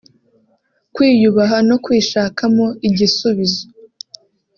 kwiyubaha no kwishakamo igisubizo